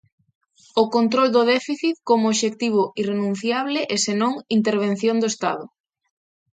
O control do déficit como obxectivo irrenunciable e senón, "intervención" do Estado.